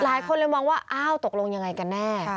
หลายคนเลยมองว่าอ้าวตกลงยังไงกันแน่